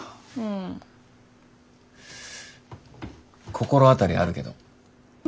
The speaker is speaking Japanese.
心当たりあるけど。